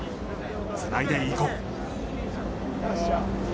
つないでいこう。